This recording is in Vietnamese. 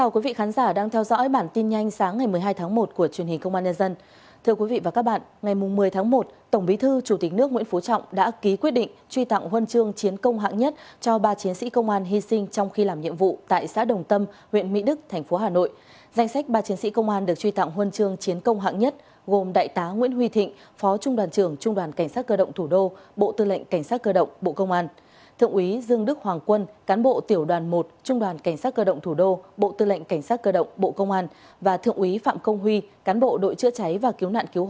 cảm ơn các bạn đã theo dõi